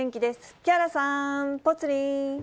木原さん、ぽつリン。